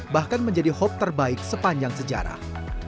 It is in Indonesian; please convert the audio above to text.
bahkan menjadi hope terbaik sepanjang sejarah